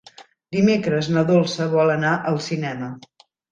Dimecres na Dolça vol anar al cinema.